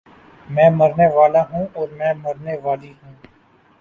میں مرنے والا ہوں اور میں مرنے والی ہوں